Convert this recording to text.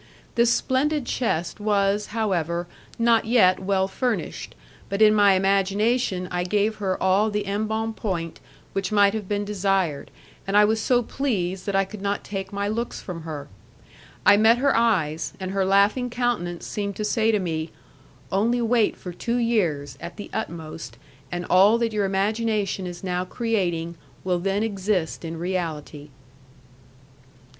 This splendid chest was, however, not yet well furnished, but in my imagination I gave her all the embonpoint which might have been desired, and I was so pleased that I could not take my looks from her. I met her eyes, and her laughing countenance seemed to say to me: "Only wait for two years, at the utmost, and all that your imagination is now creating will then exist in reality."